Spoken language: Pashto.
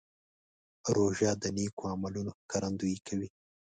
روژه د نیکو عملونو ښکارندویي کوي.